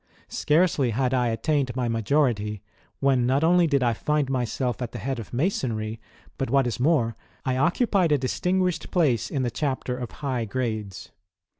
Scarcely had I attained my majority, when, not only did I find myself at the head of Masonry, but what is more, I occupied a distinguished place in the chapter of high grades.